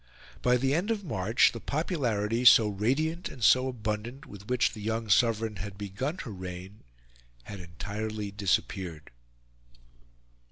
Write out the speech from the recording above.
By the end of March, the popularity, so radiant and so abundant, with which the young Sovereign had begun her reign, had entirely disappeared.